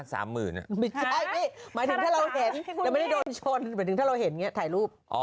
ไม่ใช่พี่หมายถึงถ้าเราเห็นแต่ไม่ได้โดนชนหมายถึงถ้าเราเห็นอย่างนี้ถ่ายรูป